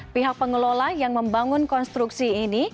pihak pengelola yang membangun konstruksi ini